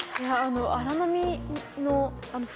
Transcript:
荒波の船